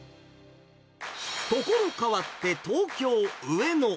所変わって、東京・上野。